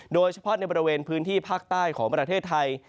โดยเฉพาะในบริเวณพื้นที่ภาคใต้ของประเทศไทย